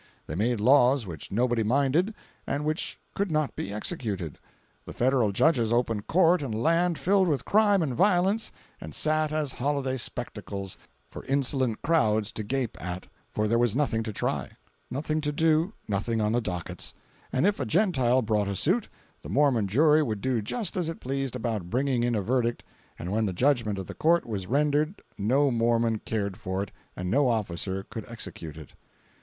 They made laws which nobody minded and which could not be executed. The federal judges opened court in a land filled with crime and violence and sat as holiday spectacles for insolent crowds to gape at—for there was nothing to try, nothing to do nothing on the dockets! And if a Gentile brought a suit, the Mormon jury would do just as it pleased about bringing in a verdict, and when the judgment of the court was rendered no Mormon cared for it and no officer could execute it.